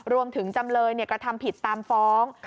รวมถึงจำเลยกระทำผิดตามฟ้อง